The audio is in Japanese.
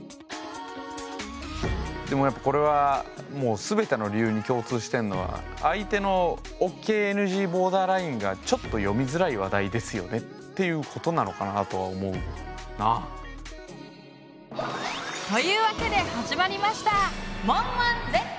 でもやっぱこれはもう全ての理由に共通してんのは相手のＯＫ・ＮＧボーダーラインがちょっと読みづらい話題ですよねっていうことなのかなとは思うな。というわけで始まりました